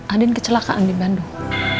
andin kecelakaan di bandung